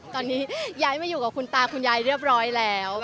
ตอนนี้ย้ายมาอยู่กับคุณตาคุณยายเรียบร้อยแล้ว